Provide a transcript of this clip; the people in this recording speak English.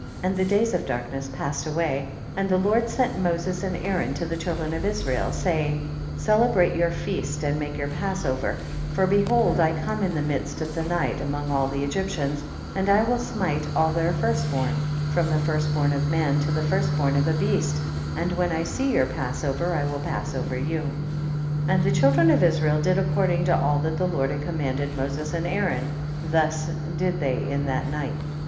41. And the days of darkness |l See Parkhurst upon naiN locusts under the root n3") passed away, and the Lord sent Mo ses and Aaron to the children of Is rael, saying, celebrate your feast and make your passover, for behold I come in the midst of the night amongst all the Egyptians, and I will smite all their first born, from the first born of a man to the first born of a beast, and when I see your passover, I will pass over you. 42. And the children of Israel did according to all that the Lord had commanded Moses and Aaron, thus did they in that night.